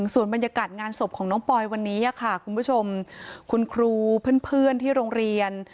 ส่วนบรรยากาศงานศพของน้องปอยวันนี้ค่ะคุณผู้ชมคุณครูเพื่อนที่โรงเรียน